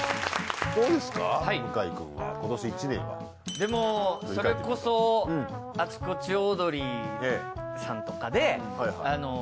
でもそれこそ『あちこちオードリー』さんとかで。